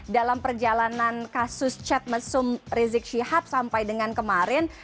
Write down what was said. dalam perjalanan kasus chat mesum rizik syihab sampai dengan kemarin